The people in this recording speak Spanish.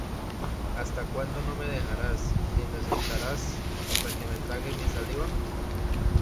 ¿Hasta cuándo no me dejarás, Ni me soltarás hasta que trague mi saliva?